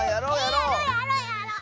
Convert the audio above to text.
えやろうやろうやろう！